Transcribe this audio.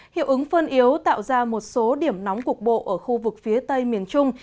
hiệu ứng phân yếu tạo ra một số điểm nóng cục bộ ở khu vực phía tây miền trung